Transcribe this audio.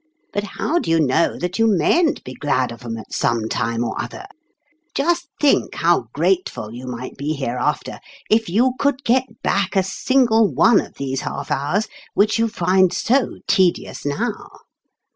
But how do you know that you mayn't be glad of 'em at some time or other ? Just think how grateful you might be hereafter, if you could get back a single one of these half hours which you find so tedious now.